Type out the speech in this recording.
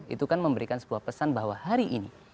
itu kan memberikan sebuah pesan bahwa hari ini